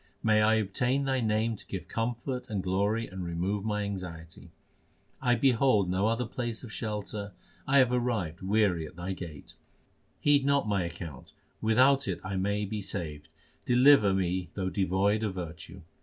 May I obtain Thy name to give comfort and glory and remove my anxiety. 1 behold no other place of shelter ; I have arrived weary at Thy gate. Heed not my account ; without it may I be saved ! deliver me though devoid of virtue.